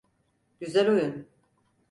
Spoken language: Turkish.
Güzel oyun.